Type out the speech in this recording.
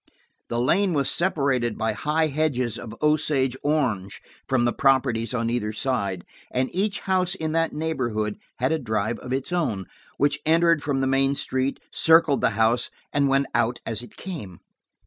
The lane was separated by high hedges of osage orange from the properties on either side, and each house in that neighborhood had a drive of its own, which entered from the main street, circled the house and went out as it came.